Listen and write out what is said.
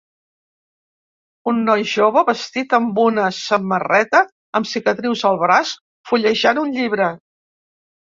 Un noi jove vestit amb una samarreta amb cicatrius al braç, fullejant un llibre.